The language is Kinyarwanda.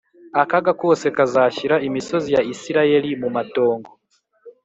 Akaga kose kazashyira imisozi ya Isirayeli mu matongo